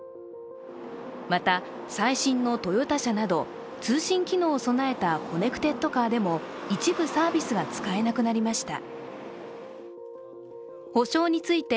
また、最新のトヨタ車など通信機能を備えたコネクテッドカーでも一部サービスが使えなくなりました。